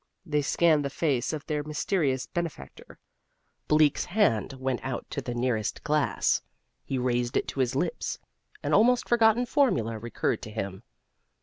They scanned the face of their mysterious benefactor. Bleak's hand went out to the nearest glass. He raised it to his lips. An almost forgotten formula recurred to him.